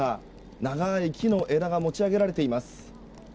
長い木の枝が持ち上げられています。